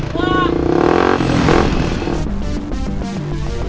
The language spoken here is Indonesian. nanti kita cari